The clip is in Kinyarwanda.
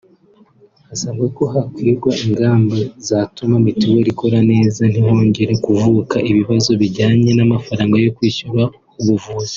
hasabwa ko hakwigwa ingamba zatuma Mituweli ikora neza ntihongere kuvuka ikibazo kijyanye n’amafaranga yo kwishyura ubuvuzi